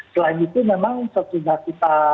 selain itu memang sesudah kita